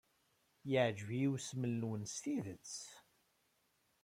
Yeɛjeb-iyi usmel-nwen s tidet.